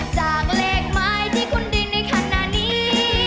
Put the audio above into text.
จากเลขหมายที่คุณดินในขณะนี้